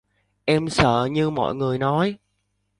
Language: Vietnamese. Em sợ như mọi người nói